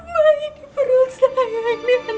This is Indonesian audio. mbak ini perlu saya ini anak sunan